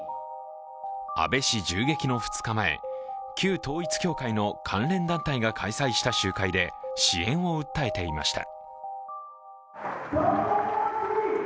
安倍氏銃撃の２日前、旧統一教会の関連団体が開催した集会で支援を訴えていました。